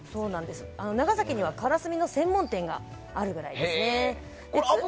長崎にはからすみの専門店があるぐらいです。